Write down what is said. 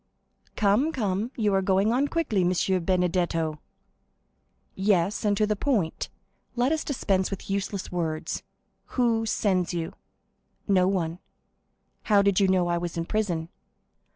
"Come, come, you are going on quickly, M. Benedetto!" "Yes, and to the point. Let us dispense with useless words. Who sends you?" "No one." "How did you know I was in prison?"